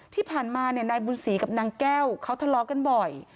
ที่ผ่านมานายบุญศรีกับนางแก้วเขาทะเลาะกันบ่อย